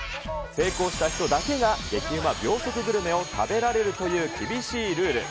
成功した人だけが激ウマ秒速グルメを食べられるという厳しいルール。